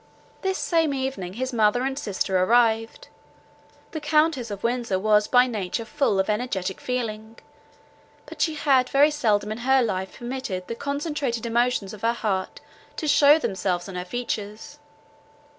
This same evening his mother and sister arrived. The Countess of Windsor was by nature full of energetic feeling; but she had very seldom in her life permitted the concentrated emotions of her heart to shew themselves on her features.